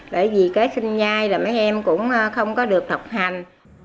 bởi vì cái sinh nhai là mấy em cũng không có được học hành